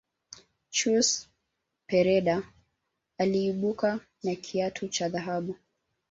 chus pereda aliibuka na kiatu cha dhahabu